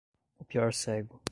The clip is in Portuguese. O pior cego